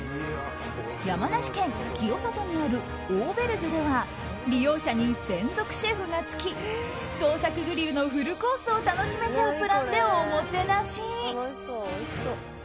山梨県清里にあるオーベルジュでは利用者に専属シェフがつき創作グリルのフルコースを楽しめちゃうプランでおもてなし。